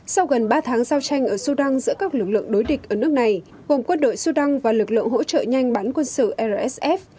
sau gần ba tháng giao tranh ở sudan giữa các lực lượng đối địch ở nước này gồm quân đội sudan và lực lượng hỗ trợ nhanh bán quân sự rsf